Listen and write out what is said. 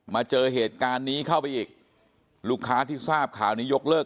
มาเจอเหตุการณ์นี้เข้าไปอีกลูกค้าที่ทราบข่าวนี้ยกเลิก